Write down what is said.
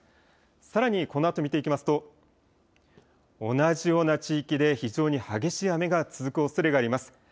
さらにこのあと、見ていきますと同じような地域で非常に激しい雨が続くおそれがあります。